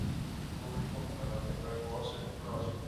Su último comandante fue Joseph Ross.